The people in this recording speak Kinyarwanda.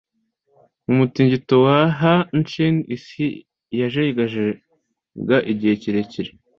mu mutingito wa hanshin, isi yajegajega igihe kirekire